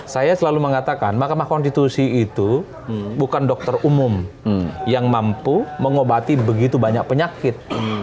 saya selalu mengatakan mahkamah konstitusi itu bukan dokter umum yang mampu mengobati begitu banyak penyakit